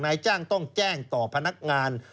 นายจ้างต้องแจ้งต่อพนักงาน